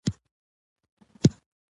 فایبر د کولمو مایکروبونو لپاره خورا مهم دی.